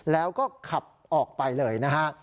แล้วก็ขับออกไปเลยนะฮะ